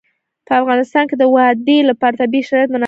په افغانستان کې د وادي لپاره طبیعي شرایط مناسب دي.